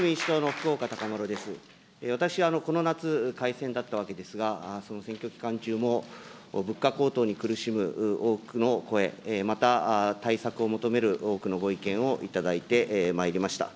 私はこの夏、改選だったわけですが、その選挙期間中も、物価高騰に苦しむ多くの声、また対策を求める多くのご意見を頂いてまいりました。